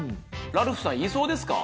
ラルフさん、いそうですか？